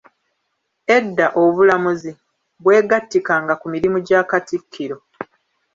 Edda obulamuzi bwegattikanga ku mirimu gya Katikkiro.